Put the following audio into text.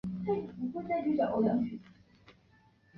与爱都婚纱中心及百利商业中心为香港三大婚宴主题商场。